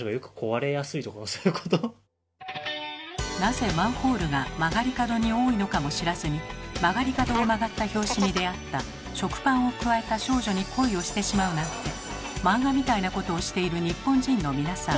なぜマンホールが曲がり角に多いのかも知らずに曲がり角を曲がった拍子に出会った食パンをくわえた少女に恋をしてしまうなんて漫画みたいなことをしている日本人の皆さん。